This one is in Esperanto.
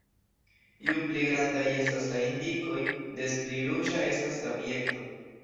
Ju pli grandaj estas la indikoj des pli ruĝa estas la objekto.